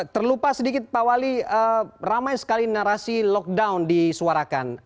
terlupa sedikit pak wali ramai sekali narasi lockdown disuarakan